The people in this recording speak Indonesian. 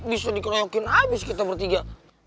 bisa dikeroyokin habis kita bertiga